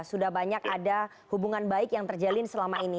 sudah banyak ada hubungan baik yang terjalin selama ini